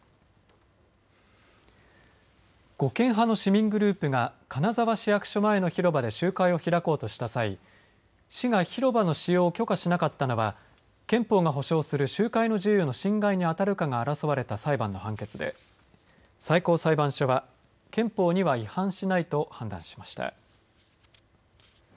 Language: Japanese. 護憲派の市民グループが金沢市役所前の広場で集会を開こうとした際市が広場の使用を許可しなかったのは憲法が保障する集会の自由の侵害に当たるかが争われた裁判の判決で最高裁判所は憲法には違反しないと判断しました。